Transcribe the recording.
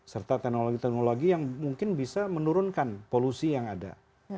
serta teknologi teknologi yang mungkin bisa menurunkan polusi yang ada